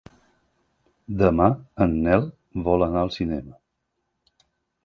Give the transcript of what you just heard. Demà en Nel vol anar al cinema.